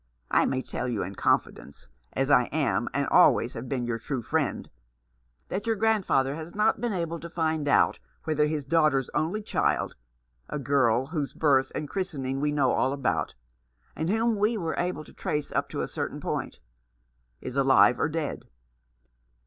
" I may tell you in confidence, as I am, and always have been, your true friend, that your grandfather has not been able to find out whether his daughter's only child — a girl, whose birth and christening we know all about, and whom we were able to trace up to a certain point — is alive or dead.